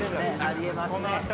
あり得ますね。